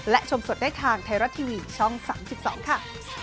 และชมสดได้ทางไทยรัฐทีวีช่อง๓๒ค่ะ